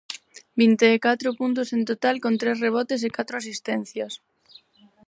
Vinte e catro puntos en total con tres rebotes e catro asistencias.